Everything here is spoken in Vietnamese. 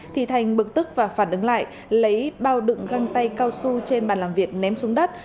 thì thành bực tức và phản ứng lại lấy bao đựng găng tay cao su trên bàn làm việc ném xuống đất